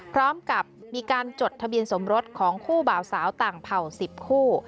พร้อมกับมีการจดทะเบียนสมรสของคู่บ่าวสาวต่างเผ่า๑๐คู่